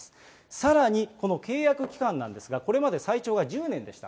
さらに、この契約期間なんですが、これまで最長が１０年でした。